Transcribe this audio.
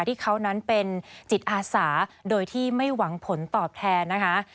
ที่เขานั้นเป็นจิตอาสาโดยที่ไม่หวังผลตอบแทนนะคะ